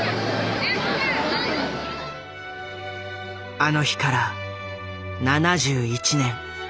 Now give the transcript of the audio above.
あの日から７１年。